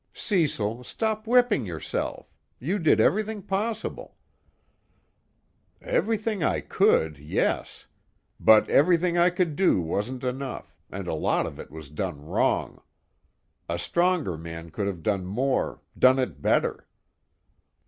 "Cecil, stop whipping yourself. You did everything possible." "Everything I could, yes. But everything I could do wasn't enough, and a lot of it was done wrong. A stronger man could have done more, done it better.